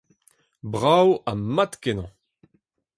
Brav ha mat kenañ!